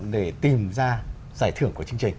để tìm ra giải thưởng của chương trình